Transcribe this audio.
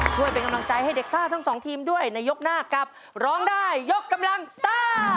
ช่วยเป็นกำลังใจให้เด็กซ่าทั้งสองทีมด้วยในยกหน้ากับร้องได้ยกกำลังซ่า